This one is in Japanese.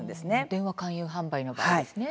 電話勧誘販売の場合ですね。